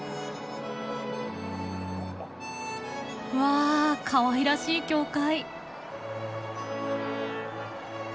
わあかわいらしい教会。